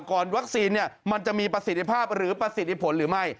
วัคซีนมันจะมีประสิทธิภาพหรือประสิทธิผลหรือไม่